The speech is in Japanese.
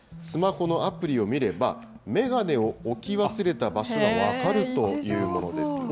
スマホのアプリを見れば、眼鏡を置き忘れた場所が分かるというものです。